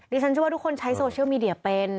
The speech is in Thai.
ดิฉันว่าทุกคนใช้โซเชียลมีเดียเป็น